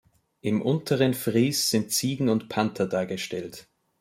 Im unteren Fries sind Ziegen und Panther dargestellt.